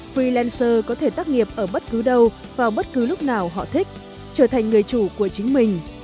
freengcer có thể tác nghiệp ở bất cứ đâu vào bất cứ lúc nào họ thích trở thành người chủ của chính mình